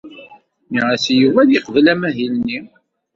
Nniɣ-as i Yuba ad yeqbel amahil-nni.